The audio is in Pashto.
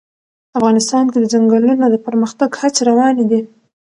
افغانستان کې د ځنګلونه د پرمختګ هڅې روانې دي.